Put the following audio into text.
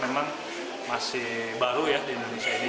memang masih baru ya di indonesia ini